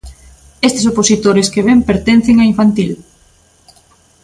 Estes opositores que ven pertencen a infantil.